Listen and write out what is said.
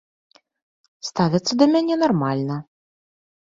Ставяцца да мяне нармальна.